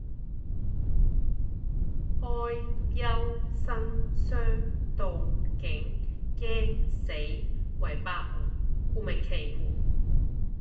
開、休、生、傷、杜、景、驚、死為八門故名「奇門」